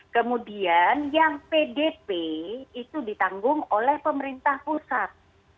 kemudian yang pdp itu ditanggung oleh pemerintah pusat